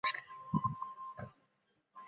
其父赠为朝列大夫加中奉大夫衔。